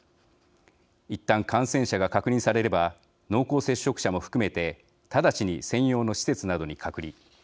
いったん感染者が確認されれば濃厚接触者も含めて直ちに専用の施設などに隔離。